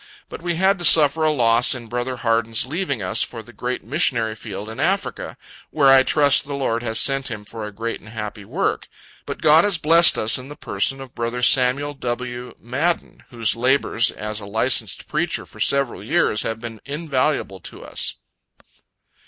But we had to suffer a loss in brother Harden's leaving us for the great missionary field in Africa, where I trust the Lord has sent him for a great and happy work. But God has blessed us in the person of brother Samuel W. Madden, whose labors as a licensed preacher for several years have been invaluable to us.